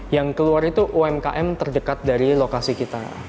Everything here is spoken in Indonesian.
yang keluar itu umkm terdekat dari lokasi kita